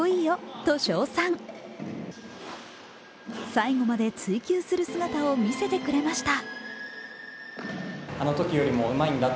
最後まで追求する姿を見せてくれました。